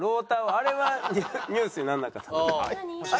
あれはニュースにならなかった？